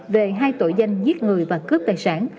về hai tội danh giết người và cướp tài sản